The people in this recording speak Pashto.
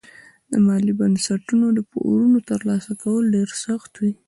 له مالي بنسټونو د پورونو ترلاسه کول ډېر سخت وي.